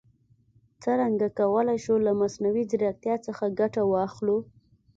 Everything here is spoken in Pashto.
څرنګه کولای شو له مصنوعي ځیرکتیا څخه ګټه واخلو؟